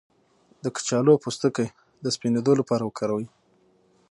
د کچالو پوستکی د سپینیدو لپاره وکاروئ